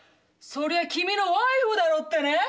そりゃ君のワイフだろってね」。